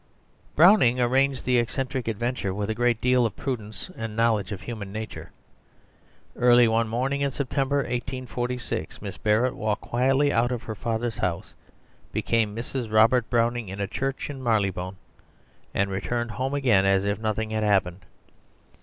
Browning arranged the eccentric adventure with a great deal of prudence and knowledge of human nature. Early one morning in September 1846 Miss Barrett walked quietly out of her father's house, became Mrs. Robert Browning in a church in Marylebone, and returned home again as if nothing had happened.